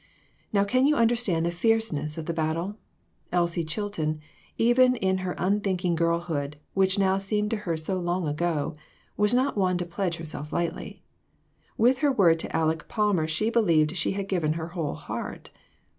Now can you understand the fierceness of the battle? Elsie Chilton, even in her unthinking girlhood, which now seemed to her so long ago, was not one to pledge herself lightly. With her word to Aleck Palmer she believed she had given her whole heart.